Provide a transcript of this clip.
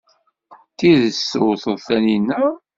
D tidet tewteḍ Taninna?